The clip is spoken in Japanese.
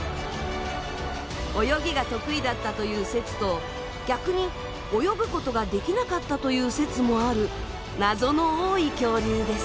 泳ぎが得意だったという説と逆に泳ぐことができなかったという説もある謎の多い恐竜です。